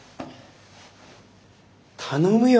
頼むよ